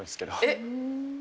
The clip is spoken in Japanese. えっ？